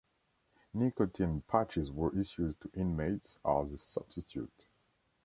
Nicotine patches were issued to inmates as a substitute.